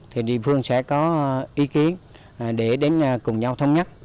thì cơ quan sẽ có ý kiến để đến cùng nhau thông nhắc